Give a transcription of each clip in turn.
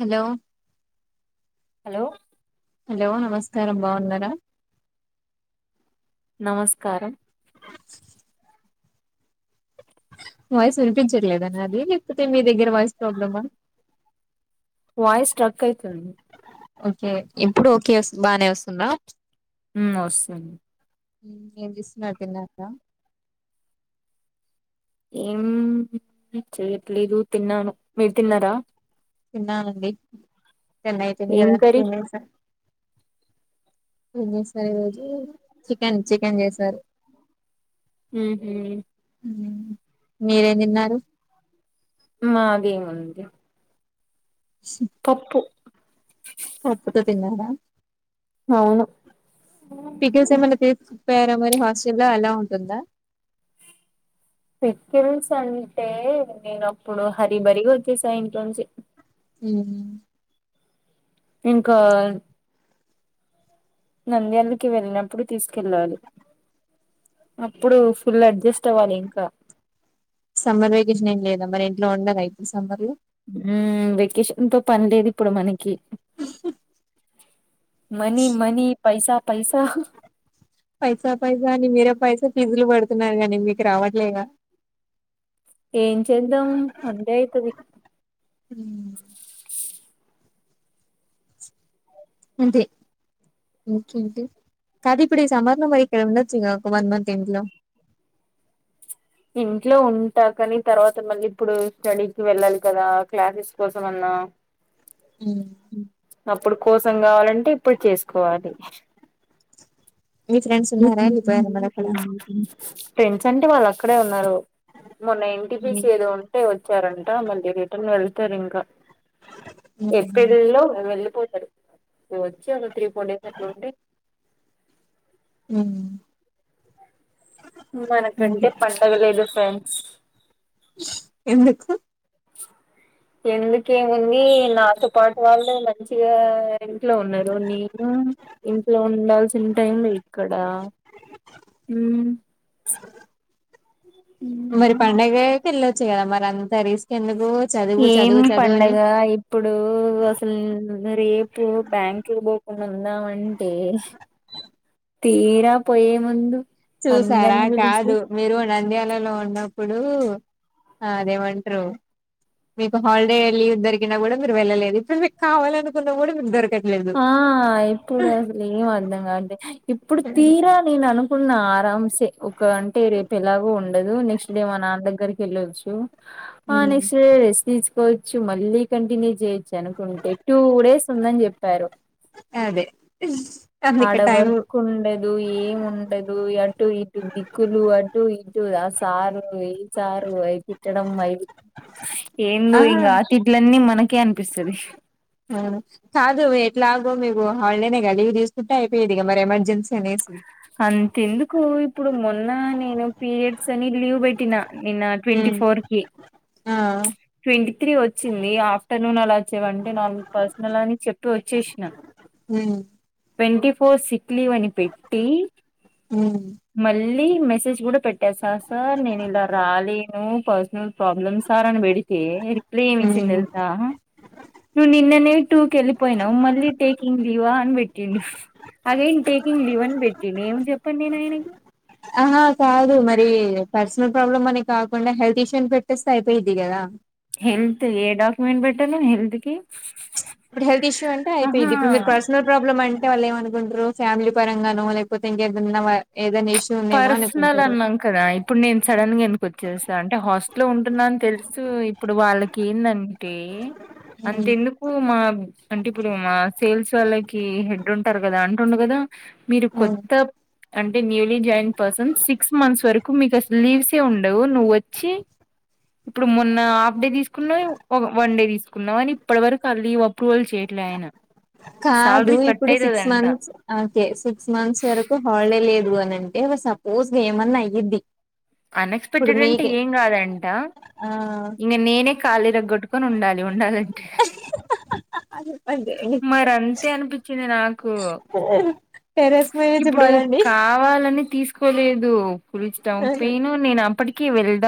Hello hello hello నమస్కారం బాగున్నారా? నమస్కారం వాయిస్ వినిపించట్లేద నాది, లేకపోతే మీ దగ్గర వాయిస్ ప్రాబ్లమా? వయిస్ స్టక్ ఐతుంది. ఓకే ఇప్పుడు ఓకే స్ బానే వస్తుందా? ఉమ్ వస్తుంది ఉమ్ ఏం చేస్తున్నారు, తిన్నార? ఏం చెయట్లేదు తిన్నాను. మీరు తిన్నారా? తిన్నానండి. టెన్ అయితుంది ఏం గదా. కర్రీ తినేసా ఏం చేసార్. ఈ రోజు చికెన్ చికెన్ చేసారు. ఉహ్ హు ఉమ్ మీరేం తిన్నారు? మదేముంది. పప్పు పప్పుతో తిన్నారా? అవును పికిల్స్ ఏమైనా తీసుకుపోయారా, మరి హాస్టల్ లో ఎలొ ఉంటుందా? సికిల్స్ అంటే. నేను అప్పుడు హరిబరిగా వచ్చేసా. ఇంట్లోంచి ఉహ్ ఇంకా నంద్యాలకి వెళ్ళినప్పుడు తీసుకెళ్ళాలి. అప్పుడు ఫుల్ అడ్జస్ట్ అవ్వాలి ఇంకా ఇలా వండర్ రైసు, సాంబార్లు ఉమ్ వెకేషన్ తో పని లేదు. ఇప్పుడు మనకి మనీ, మనీ, పైసా, పైసా. పైసా పైసా అని మీరే పైసా ఫీజులు పడుతున్నారు. గానీ మీకు రావట్లేగా? ఏం చేద్దాం. అంతే అయితది. హ్మ్ అంతే కది ఇప్పుడు ఈ సమ్మర్ లో మరిక్కడ ఉండోచ్చుగా. ఒక వన్ మంత్ ఎంట్లో? ఇంట్లో ఉంటా కాని. తర్వాత మళ్ళీ ఇప్పుడు, స్టడీకి వెళ్ళాలి కదా. క్లాసెస్ కోసం అన్న ఆ ఉమ్ అప్పుడు కోసం కావాలంటే ఇప్పుడు చేసుకోవాలి మీ ఫ్రెండ్స్ ఉన్నారా వెళ్ళిపోయారా మరి అక్కడ [unintelligible] పెంచ్ అంటే వాళ్ళు అక్కడే ఉన్నారు మొన్న ఎన్ టి పి హ్మ్ సి ఏదో ఉంటే వచ్చారంట మళ్ళీ రిటర్న్ వెల్ తారు ఇంకా హుహు. ఏప్రిల్ నెలలో లో వెళ్ళిపోతారు వచ్చి ఒక త్రీ ఫోర్ డేస్ అట్ల ఉండి హ్మ్ మనకంటే అదే పండగ లేదు ఫెండ్స్ ఎందుకు ఎందుకేముంది నాతో పాటు వాళ్ళే మంచిగా ఇంట్లో ఉండరు నేను ఇంట్లో ఉండాల్సిన టైంలే ఇక్కడ హ్మ్ ప్చ్ మరి పడుగకి వెళ్ళొచ్చు కదా మరి అంత రిస్క్ ఎందుకు చదువు ఏం చదువు చదువు అని పండగ ఇప్పుడు అసలు ఇగ రేపు బ్యాంకుకి పోకుండా ఉందామంటే తీరా పోయే ముందు చూసారా అందరినీ పిలిచి కాదు మీరు నంద్యల లలో ఉన్నప్పుడు ఆ అదేమంటారు మీకు హాలిడే లీవ్ దొరికినా కూడా మీరు వెళ్ళలేదు ఇప్పుడు మీకు కావాలనుకున్నా కూడా మీకు దొరకట్ ఆ ఇప్పుడు అసలు ఏం అర్థంగావట్లే ఇప్పుడు తీరా నేన్ అనుకు కున్న ఆరాం సే ఒక గంటే రేపు ఎలాగో ఉండదు నెక్స్ట్ డే మా నాన్న దగ్గరికి వెళ్ళోచ్చు ఆ హ్మ్ నెక్స్ట్ డే [unintelligible] కోవచ్చు మళ్ళీ కంటిన్యూ చేయొచ్చు అనుకుంటే టూ డేస్ ఉందని చెప్పారు అదే అందుకే టైం అడవర్క్ ఉండదు ఏం ఉండదు అటు ఇటు ఇటు దిక్కులు అటు ఇటు ఆ సారు ఏ సారు అయి తిట్టడం మై ఏందో ఇంగా ఆ తిట్లన్ని మనకే అనిపిస్తాది ఆ కాదు ఎట్లాగో మేకు హాడేనేగా లీవ్ తీసుకుంటే అయిపోయేదిగ మరి ఎమర్జెన్సీ అనేసి అంతెందుకు ఇప్పుడు మొన్న నేను పీరియడ్స్ అని లీవ్ పెట్టినా నిన్న ట్వంటీ ఫోర్ కి ఆ ట్వంటీ త్రీ వచ్చింది ఆఫ్టర్నూన్ అలా చేవంటే నాకు పర్సనల్ అని చెప్పి వచ్చేసినా హ్మ్ ట్వంటీ ఫోర్ సిక్ లీవ్ అని పెట్టి ఉమ్ మళ్ళీ మళ్ళీ మెసేజ్ కూడా పెట్టేసా సార్ నేను ఇలా రాలేను పర్సనల్ ప్రాబ్లమ్ సార్ అని పెడి తే రిప్లై ఎం ఇచ్చిండు ఉమ్ తెలుసా నువ్వు నిన్ననే టూకి వెళ్ళిపోయినావు మళ్ళీ టేకింగ్ లీవా అని పెట్టిండు అగైన్ టేకింగ్ లివ్ అని పెట్టిడు ఏం చెప్పాను నేను ఆయనకి ఆహా కాదు మరి పర్సనల్ ప్రాబ్లమ్ అనే కాకుండా హెల్త్ ఇష్యూని పెట్టేస్తే అయిపోయిద్ది కదా హెల్త్ ఏ డాక్యుమెంట్ పెట్టాలే హెల్త్ కి ప్చ్ ఇప్పుడు హెల్త్ ఇష్యూ అంటే ఆహా అయిపోయిది ఇప్పుడు మీరు పర్సనల్ ప్రాబ్లమ్ అంటే అంటే వాళ్ళు ఏమనుకుంటారు ఫ్యామిలీ పరంగానో లేకపోతే ఇంకెదన పర్సనల్ అన్నాం కదా ఇప్పుడు నేను సడన్ గా ఎందుకొచ్చేసా అంటే హాస్టల్లో ఉంటున్నా అని తెలుసు ఇప్పుడు వాళ్ళకి ఏందంటే టే ఉమ్ అంతెందుకు మా అంటే ఇప్పుడు మా సేల్స్ వొళ్ళకి హెడ్ హెడ్ ఉంటారు కదా అంటుండు కదా మీరు ఉమ్ కొత్త అంటే జాయిన్ పర్సన్స్ సిక్స్ మంత్స్ వరకు మీకు అసలు లీవ్సే ఉండవు నువ్ వచ్చి ఇప్పుడు మొన్న హాఫ్ డే తీసుకున్నావు వన్ డే తీసుకున్నావు అని ఇప్పటి వరకు అ లీవ్ అప్రూవల్ చేయలేదు ఆయన కాదు శాలరీ కట్ ఇప్పుడు సిక్స్ అయితదంట మంత్స్ ఓకే సిక్స్ మంత్స్ వరకు హాలిడే లేదు అని అంటే సపోజ్ ఎమన్నా అయ్యిద్ది ఇప్పుడు అన్ఎక్స్పెక్టెడ్ అంటే మీకే ఏం కాదంట ఆ ఇగా నేనే కాళ్ళు ఇరగ్గొట్టుకొని ఉండాలి ఉండాలంటే అదే మరి అంతే అనిపించింది నాకు టెరెస్ మీదనుంచి ఇప్పుడు పడండి కావాలి తీసుకోలేదు కుల్చ టక్ పెయిన్ నేను అప్పటికి వెళ్ళ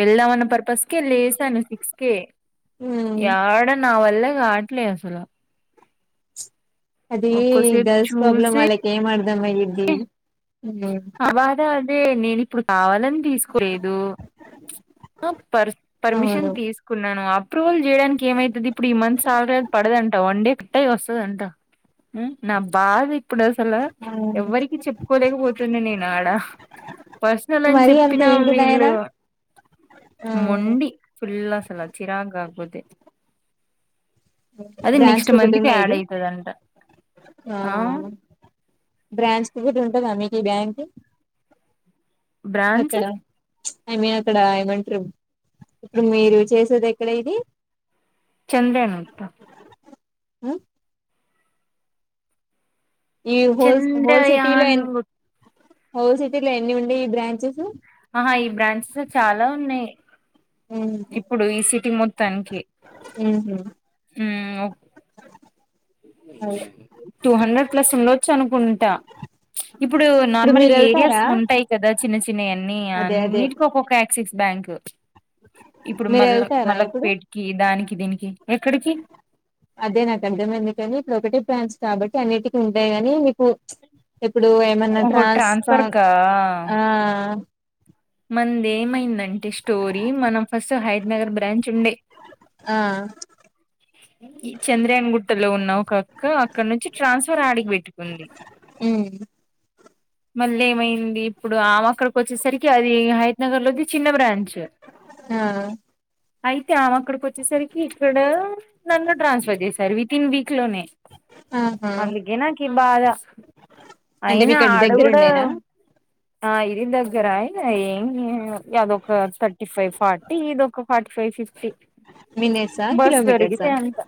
వెళ్దామన్న పర్పస్ కే లేసాను సిక్స్కే ఉమ్ యాడ నా వల్ల కాట్లే అసలు అదే ఒక్కోసేపు గర్ల్స్ ప్రాబ్లమ్ చూసి వాళ్ళకి ఏం అర్థమయిడ్ అ నేను ఇప్పుడు కావాల తీసుకోలేదు ఆ పర్మిషన్ అవును తీసుకున్నాను అప్రూవల్ చేయడానికి ఏమైతుది ఇప్పుడు ఈ మంత్ సాలరీ పడదంట వన్ డే కట్ట వస్తుందంట నా బాధ ఇప్పుడ ఆసల ఎవ్వరికి చెప్పుకోలేకపోతుంది నేను ఆడ పర్సనల్ అని మరి అంత చెప్పినా వీళ్ళు ఏంటిదాయనా ఆ మొండి ఫుల్ ఆసల చిరక్ గాకపోతే బ్రాంచ్ క ఒకటి కి యాడ్ ఉన్నాయిది అయితదంట ఆ బ్రాంచ్ కి కూడాటి ఉంటుందా మీకు ఈ బ్యాంక్ బ్రాంచ్ అక్కడ ఐ మీన్ అక్కడ ఏమంటారు ఇప్పుడు మీరు చేసేది ఎక్కడ ఇది చంద్రనత్త మ్మ్ ఈ హోల్ హోల్ సిటీ లో చంద్రయాన్ ఎ గుట్ హోల్ సిటీ లో ఎన్ని ఉండ ఈ బ్రాంచెస్ ఆహా ఈ బ్రాంచెస్ చాలా ఉన్నాయి ఉహు ఇప్పుడు ఈ సిటీ మొత్తానికి ఉహు అదే టూ హండ్రెడ్ ప్లస్ ఉండచ్చు అనుకుంటా ఇప్పుడు నార్మల్ మీరు ఏరియాస్ వెళ్తారా ఉంటాయి కదా చిన్న చిన్నవిన్ని అదే అదే అన్నిటికి ఒక్కొక్క యాక్సిస్ బ్యాంక్ ఇప్పుడు మీరు మల్ల వెళ్తారా ఇప్పుడు మల్లక్పేట్కి దానికి దీనికి ఎక్కడికి మంది కానీ ఇప్పుడు ఒకటి బ్యాన్స్ కాబట్టి అన్నిటికి ఉంటాయి కానీ మీకు ఇప్పుడు ఏమన్నా ఓహో ట్రాన్స్ఫ ట్రాన్స్ఫర్ కా ఆ మంది మైన అంటే స్టోరీ మనం ఫస్ట్ హైద నగర్ బ్రాంచ్ ఉండే త్ చంద్రయాన్ గుట్టలో ఉన్న ఒక అక్క అక్కడ నుంచి ట్రాన్స్ఫర్ ఆడిగి పెట్టుకుంది మ్మ్ మళ్ళీ ఏమైంది ఇప్పుడు ఆమె అక్కడికి వచ్చేసరికి అది హైత్నగర్ లోది చిన్న బ్రాంచ ఆ అయితే ఆమె అక్కడికి వచ్చేసరికి ఇక్కడ నన్ను ట్రాన్స్ఫర్ చేశారు వితి ఇన్ వీక్ లోనే ఆహా అందుగే నాకి బాదా అంటే అయినా మీకు అటు ఆడ దగ్గర కూడాడ ఉండేనా ఆ ఇరి దగ్గరయ్ ఏం అదొ ఒక థర్టీ ఫైవ్ ఫార్టీ ఇద ఒక ఫార్టీ ఫైవ్ ఫిఫ్టీ మినిట్సా బస్ జరిగితే కిలోమీటర్సా ఎంత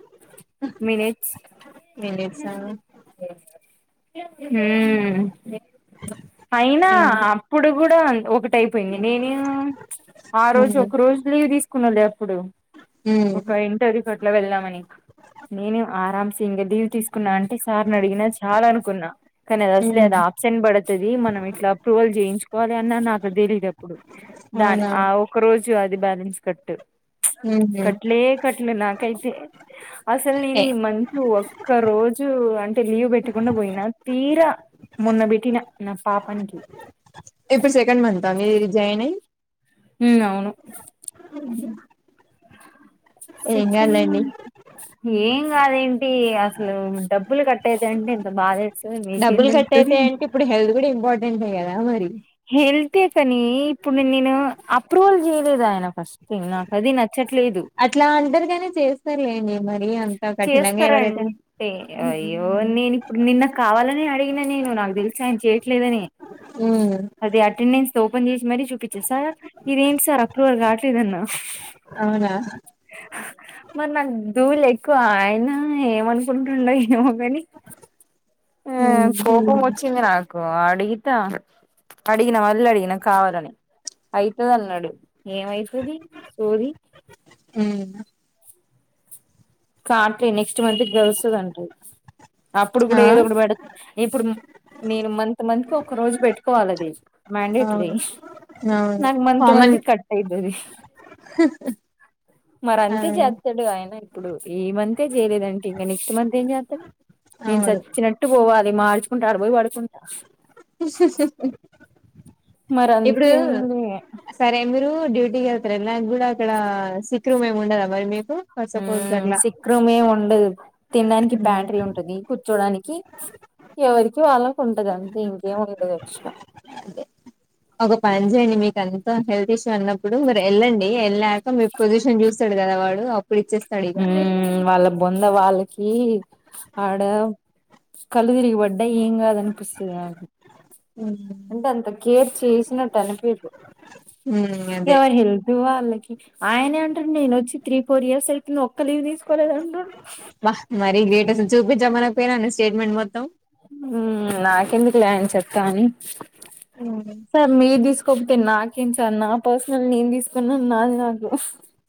మినిట్స్ మినిట్సా మ్మ్ అయినా ఏంటి అప్పుడు కూడా ఒకటైపోయింది నేను ఆ ఉమ్ రోజు ఒక రోజు లీవ్ తీసుకున్నాలే అప్పుడు ఉమ్ ఒక ఇంటర్వ్యూ అట్ల వెళ్దామని నేను ఆరామ్సి ఇంక లీవ్ తీసుకు అంటే సార్ని అడినా చాలా అనుకున్నా కానీ అది అసలు ఉమ్ ఆప్సెంట్ పడచ్చ ది మనం ఇట్లా అప్రూవల్ చేయించుకోవాలి అన్న నాకు తెలీదు అప్పుడు దా అవునా ఆ ఒక రోజు ు అది బ్యాలెన్స్ కట్టు ఉహు కట్లే కట్లే నాకైతే అసలు నేను ఏ ఈ మంచ ఒక రోజు అంటే లీవ్ పెట్టకుండా పోయినా తీరా మొన్న పెట్టిన నా పాపానికి ఇప్పుడు సెకండ్ మంత్ అ మీ ర జైన్ అయి ఉ అవును ఏం సెకం మ కాదులేండి ఏంగ్ అదేంటి అసలు డబ్బులు కట్ట అయిత అంటే ఇంత బాధే డబ్బులు కట్ట అయిత అంటే ఇప్పుడు హెల్త్ కూడా ఇంపార్టెంట్ే కదా మరి హెళ్తే కాని ఇప్పుడు నేను అప్రూవల్ చేయలేదు ఆయన ఫస్ట్ థింగ్ నాకు అది నచ్చ అట్లా అంటరుగానే చేస్తారుండి మరి అంతా చేస్తారంటే అయ్యో నేను ఇప్పుడు నిన్న కావాలని అడిగినా నేను నాకు తెలిసా ఉమ్ అ అ మరీ చూపించే సార్ ఇదేంటి సార్ అక్రర్ కావట్లేదన్న అవునా మరి నా ూవులు ఎక్కువ ఆయన ఏమనుకుంటుండ ఏమో కాని ఆ ఉమ్ కో ముచ్చింద నాకు అడిగితేా అడిగిన మళ్ళీ అడిగినా కావాలని అయితుది అన్నాడు ఏమవుతుది సోరి ఏ కాట్ నెక్స్ట్ మంత్ గల్స్ కండ ఆ లేదు మ్యాండేట్లీ అవును అవును నంగ్ మంత కామన్ మంది కట్టదది మరి ఆ అంతే చేస్తాడు ఆయన ఇప్పుడు ఈ మంత్ే చేయలేదంటే ఇంకా నెక్స్ట్ మంత్ ఏం చేస్తారు నేను అవును చచ్చినట్టు పోవాలి అ మార్చుకుంటారు అర పోయయి పడుకుంటా మరి ఇప్పుడు అంతేముంది సరే మీరు డూటీకి వెళ్తారు ఎనికి కూడా అక్కడ సిక్్ర మేము ఉండదా మరి మే ఉ శీఖ్రమే ఉండదు తినడానికి ప్యాంట్రీ ఉంటుది కూర్చోడానికి ఎవరికి వాళ్ళకు ఉంటదండి అదే ఒకప్పజే నిమిల్ హెల్త్ ఇష్యూ అన్నప్పుడు మీరు వెళ్ళండి వెళ్ళాక మీ పొజిషన్ చూస్తాడు కదా వాడు అప్పుడు ఇచ్చేస్తాడు ఇక హ వాళ్ళ బొంద వాళ్ళకి ఆడ కలుదిరిగి వడ్డ ఏంగ్ అద అనిపిస్తుది అ ఉమ్ అంటే అంత కేర్ చేసినట్టు అనిపదు అదే ఎవరి హెల్త్ వా్వాలి ఆయనే అంటారు నేను వచ్చి త్రీ ఫోర్ ఇయర్స్ అయితుంది ఒక్క లీవ్ తీసుకోలేదంట లేటస్ చూపించమకపోనా అడి స్టేట్మెంట్ మొత్తం నాకెందుకు లేం చెప్ని సార్ మీరు తీసుకు కపోతే నాకేం చ నా పర్సనల్ నేను తీసుకున్నా నా నాకు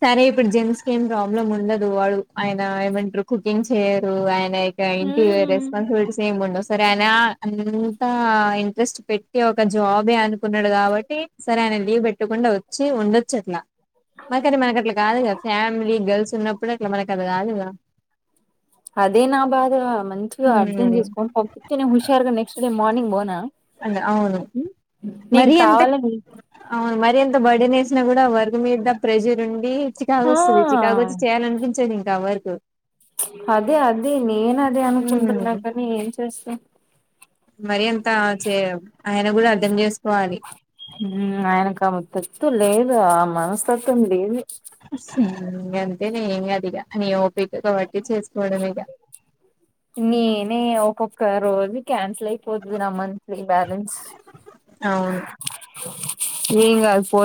సరే ఇప్పుడు జెంట్స్ క ఏం ప్రాబ్లం ఉండదు వాడు ఆయన ఏమంటారు కుకింగ్ చేయరు ఆయన ఇంటి ఉమ్ రెస్ాన్సబిలిటీ సేమ్ ఉ సరే ఆయన అంతా ఇంట్రెస్ట్ పెట్టి ఒక జాబే అనుకున్నాడు కాబట్టి సరే ఆ లీవ్ పెట్టకుండా వచ్చి ఉండొచ్చు అట్లా మకని మనకు అట్లా కాదు కదా ఫ్యామిలీ గర్ల్స్ ఉన్నప్పుడు అట్లా మనకు అది కాదు కద అదే నా బాధ మంచిగా అర్థం ఉమ్ చేసుకోని పంపించే నేను హుషారుగా నెక్స్ట్ డే మార్నింగ్ బనా అద అవును మరి ఎంత కావాలని అవును మరి ఎంత బడి నేసినా కూడా వర్గ మీద ప్రెజురుండి చికాగ ఆ వస్తుంది చికాగ వచ్చి చేయాలనిపించది ఇంకా వరకు అదే అద నేను అదే అనుకుంటున్నా కానీ ఏం చేస్తా మరి అంత చే ఆయన కూడా అర్ం చేస్తారు ఆయనకు తతు లేదు మనస్తత్వం లేదు అంతే న ఏమి అదిగా అని ఓపికతో బట్టి చేసుకోవడమేగా నేనే ఒక్కక్క రోజు క్యాన్స్ ఐపోది నా మంత్లీ బాలన్స్ అవును ఏం గాదు పో